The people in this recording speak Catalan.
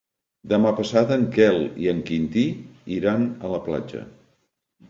Demà passat en Quel i en Quintí iran a la platja.